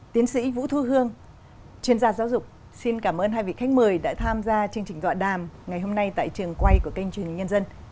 tiến sĩ vũ thu hương chuyên gia giáo dục xin cảm ơn hai vị khách mời đã tham gia chương trình dọa đàm ngày hôm nay tại trường quay của kênh truyền hình nhân dân